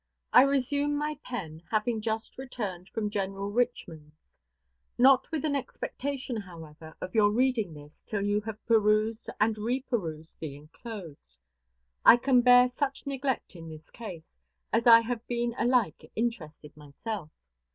I resume my pen, having just returned from General Richman's; not with an expectation, however, of your reading this till you have perused and reperused the enclosed. I can bear such neglect in this case, as I have been alike interested myself.